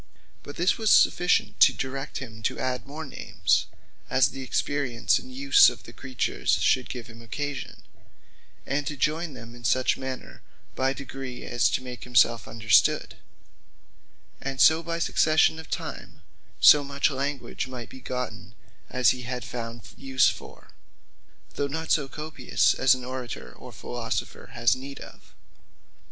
But this was sufficient to direct him to adde more names, as the experience and use of the creatures should give him occasion; and to joyn them in such manner by degrees, as to make himselfe understood; and so by succession of time, so much language might be gotten, as he had found use for; though not so copious, as an Orator or Philosopher has need of.